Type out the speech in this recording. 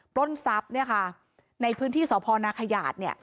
ปล้นทรัพย์ในพื้นที่สพนาคยาศ